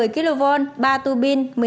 một trăm một mươi kv ba tu binh